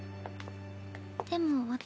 でも私。